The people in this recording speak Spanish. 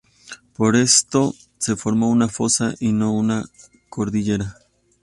Por esto, se formó una fosa y no una cordillera.